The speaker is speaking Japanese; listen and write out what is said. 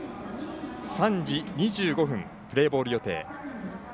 ３時２５分、プレーボール予定。